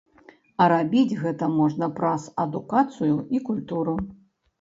А рабіць гэта можна праз адукацыю і культуру.